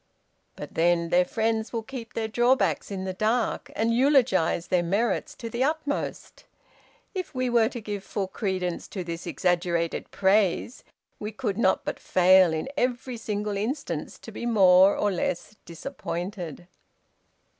But then, their friends will keep their drawbacks in the dark, and eulogize their merits to the utmost. If we were to give full credence to this exaggerated praise, we could not but fail in every single instance to be more or less disappointed."